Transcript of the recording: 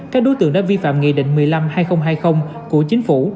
các đối tượng đã vi phạm nghị định một mươi năm hai nghìn hai mươi của chính phủ